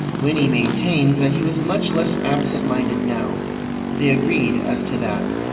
Winnie maintained that he was much less "absent minded" now. They agreed as to that.